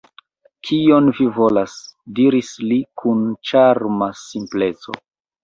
«Kion vi volas? » diris li kun ĉarma simpleco.